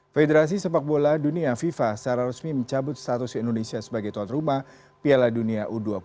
federasi sepak bola dunia fifa secara resmi mencabut status indonesia sebagai tuan rumah piala dunia u dua puluh